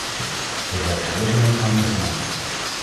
De werkgelegenheid hangt er vanaf.